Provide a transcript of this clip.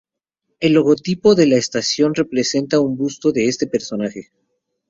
El logotipo de la estación representa un busto de este personaje.